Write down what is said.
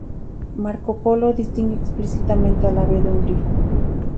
Marco Polo distingue explícitamente al ave de un grifo.